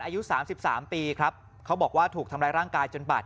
อายุสามสิบสามปีครับเขาบอกว่าถูกทำร้ายร่างกายจนบาดเจ็บ